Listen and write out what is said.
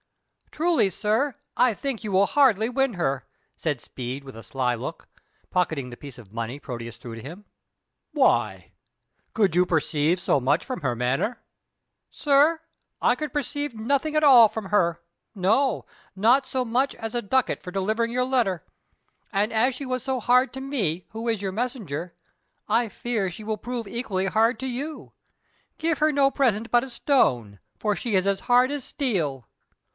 "Truly, sir, I think you will hardly win her," said Speed with a sly look, pocketing the piece of money Proteus threw to him. "Why? Could you perceive so much from her manner?" "Sir, I could perceive nothing at all from her no, not so much as a ducat for delivering your letter. And as she was so hard to me who was your messenger, I fear she will prove equally hard to you. Give her no present but a stone, for she is as hard as steel."